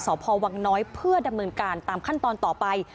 สพวังน้อยเพื่อดำเนินการตามขั้นตอนต่อไป